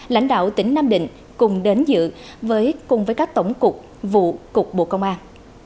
lãnh đạo tỉnh nam định cùng đến dự cùng với các tổng cục vụ cục bộ công an